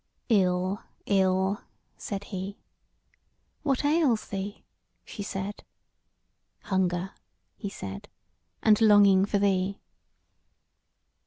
"Ill, ill," said he. "What ails thee?" she said. "Hunger," he said, "and longing for thee."